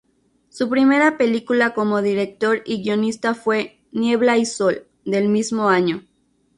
Su primera película como director y guionista fue "Niebla y sol," del mismo año.